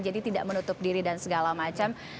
jadi tidak menutup diri dan segala macem